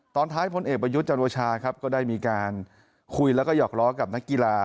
ท้ายพลเอกประยุทธ์จันโอชาครับก็ได้มีการคุยแล้วก็หอกล้อกับนักกีฬา